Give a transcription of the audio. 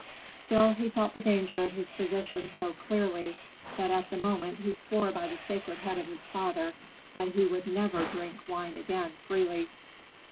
Still he felt the danger of his position so clearly that at that moment he swore by the sacred head of his father that he would never drink wine again freely.